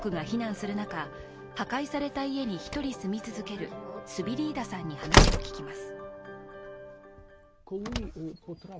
家族が避難する中、破壊された家に１人住み続けるスビリーダさんに話を聞きます。